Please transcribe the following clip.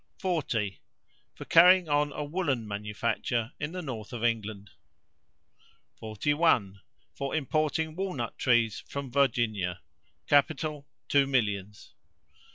40. For carrying on a woollen manufacture in the North of England. 41. For importing walnut trees from Virginia, Capital, two millions.